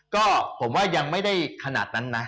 ก็ผมว่ายังไม่ได้ขนาดนั้นนะ